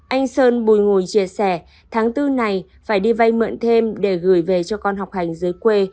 anh sơn bùi ngùi chia sẻ tháng bốn này phải đi vay mượn thêm để gửi về cho con học hành giới quê